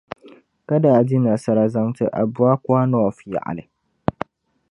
Ka daa di nasara zaŋti Abuakwa North yaɣili.